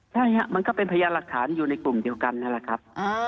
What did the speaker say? ใช่ครับมันก็เป็นพยานหลักฐานอยู่ในกลุ่มเดียวกันนั่นแหละครับ